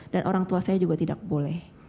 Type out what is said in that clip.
dan orang tua saya juga tidak boleh